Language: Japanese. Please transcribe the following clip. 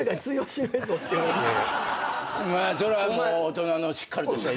そらぁもう大人のしっかりとした意見やな。